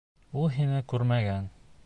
Ул һине күрмәгән.